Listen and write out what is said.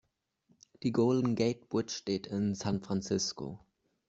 Die Golden Gate Bridge steht in San Francisco.